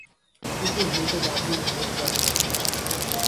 কুকুর হইতে গাভীর ভেদ জাতিগত।